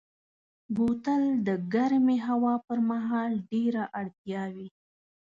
بوتل د ګرمې هوا پر مهال ډېره اړتیا وي.